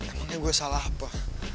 emangnya gue salah apa